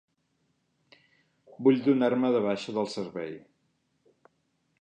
Vull donar-me de baixa del servei.